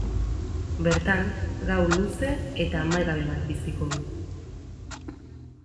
Bertan, gau luze eta amaigabe bat biziko du...